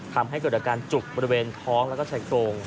ทำให้กริจการจุกบริเวณท้องและใจโตง